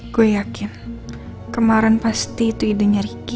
gue yakin kemuaran pasti itu idenya riki